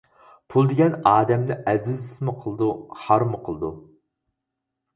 پۇل دېگەن ئادەمنى ئەزىزمۇ قىلىدۇ، خارمۇ قىلىدۇ.